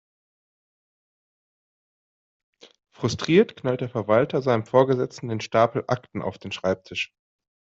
Frustriert knallt der Verwalter seinem Vorgesetzten den Stapel Akten auf den Schreibtisch.